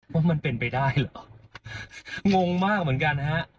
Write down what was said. ว่ามันเป็นไปได้เหรองงมากเหมือนกันฮะ